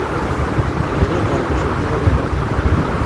Keret ab boisonik komakat